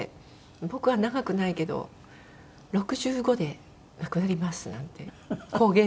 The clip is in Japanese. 「僕は長くないけど６５で亡くなります」なんて公言してたんですよ。